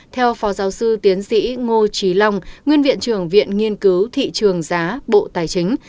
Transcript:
theo phó giáo sư tiến sĩ ngô trí long nguyên viện trưởng viện nghiên cứu thị trường giá bộ tài chính